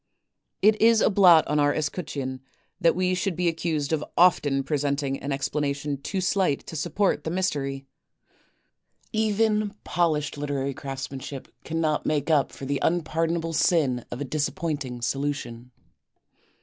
It is a blot on our escutcheon that we should be accused of often presenting an explanation too slight to support the mystery. Even polished literary craftsmanship cannot make up for the unpardonable sin of a disappointing solution.